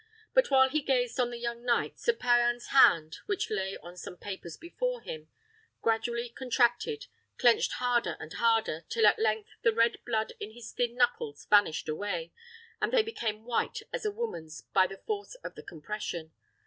But while he gazed on the young knight, Sir Payan's hand, which lay on some papers before him, gradually contracted, clenched harder and harder, till at length the red blood in his thin knuckles vanished away, and they became white as a woman's by the force of the compression.